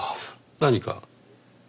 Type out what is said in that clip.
何か？